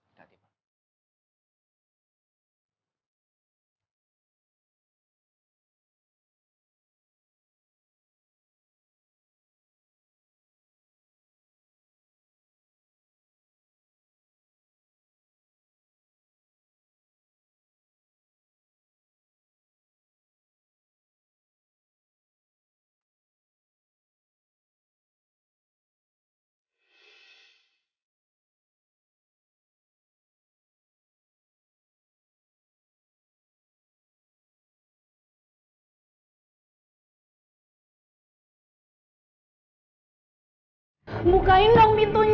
aku meski adams atau masih mau roomitor